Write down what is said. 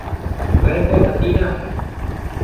वह तो हसीना है।